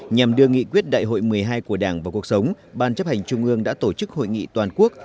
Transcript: nhằm đưa nghị quyết đại hội một mươi hai của đảng vào cuộc sống ban chấp hành trung ương đã tổ chức hội nghị toàn quốc